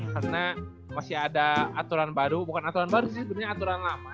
karena masih ada aturan baru bukan aturan baru sih sebenarnya aturan lama